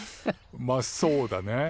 まあそうだね。